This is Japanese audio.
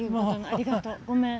ありがとう。ごめん。